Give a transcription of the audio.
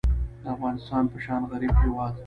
د افغانستان په شان غریب هیواد